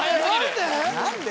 何で！？